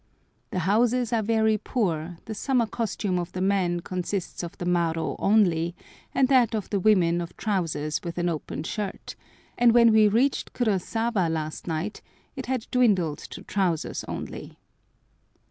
The houses are very poor, the summer costume of the men consists of the maro only, and that of the women of trousers with an open shirt, and when we reached Kurosawa last night it had dwindled to trousers only.